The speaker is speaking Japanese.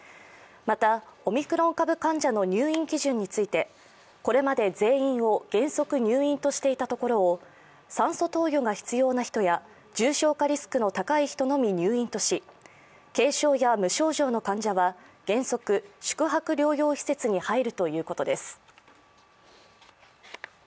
またオミクロン株患者の入院基準についてこれまで全員を原則入院としていたところを酸素投与が必要な人や重症化リスクの高い人のみ入院とし軽症や無症状の患者は原則、宿泊療養施設に入るということです。